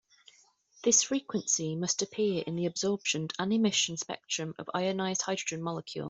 This frequency must appear in the absorption and emission spectrum of ionized hydrogen molecule.